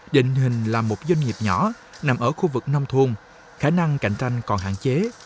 định hình là một doanh nghiệp nhỏ nằm ở khu vực nông thôn khả năng cạnh tranh còn hạn chế